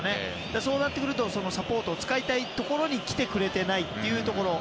そうなってくるとサポートを使いたいところに来てないというところ。